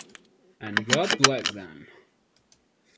And God blessed them